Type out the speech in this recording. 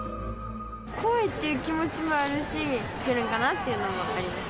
怖いっていう気持ちもあるし、いけるんかなっていうのもあります。